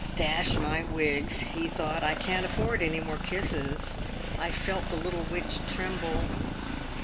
"Dash my wigs," he thought, " I can't afford any more kisses. I felt the little witch tremble.